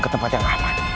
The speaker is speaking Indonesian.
ketempat yang amat